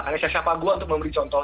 karena siapa siapa gue untuk memberi contoh